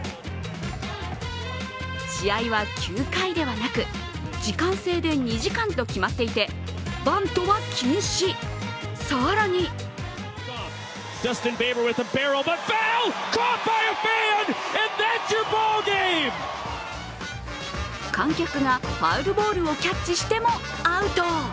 試合は９回ではなく時間制で２時間と決まっていてバントは禁止、更に観客がファウルボールをキャッチしてもアウト。